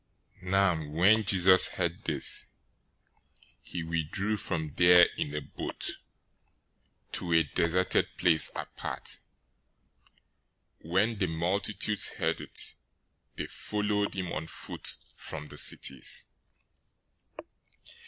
014:013 Now when Jesus heard this, he withdrew from there in a boat, to a deserted place apart. When the multitudes heard it, they followed him on foot from the cities.